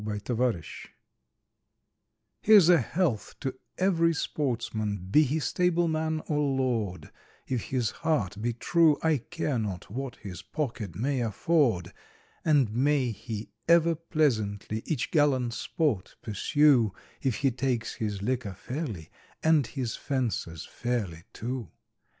A Hunting Song Here's a health to every sportsman, be he stableman or lord, If his heart be true, I care not what his pocket may afford; And may he ever pleasantly each gallant sport pursue, If he takes his liquor fairly, and his fences fairly, too.